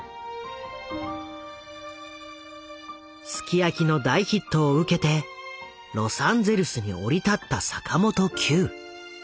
「ＳＵＫＩＹＡＫＩ」の大ヒットを受けてロサンゼルスに降り立った坂本九。